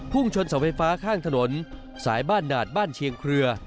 ชนเสาไฟฟ้าข้างถนนสายบ้านดาดบ้านเชียงเครือ